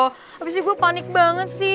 habis ini gue panik banget sih